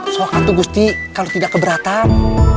soal kartu gusti kalau tidak keberatan